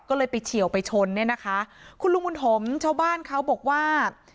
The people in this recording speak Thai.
ก็เลยไปเฉียวไปชนเนี่ยนะคะคุณลุงบุญถมชาวบ้านเขาบอกว่า